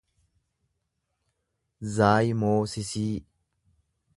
zaayimoosisii